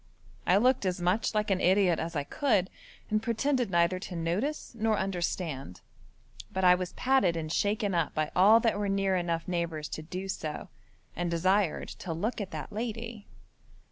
I looked as much like an idiot as I could, and pretended neither to notice nor understand, but I was patted and shaken up by all that were near enough neighbours to do so, and desired to look at that lady.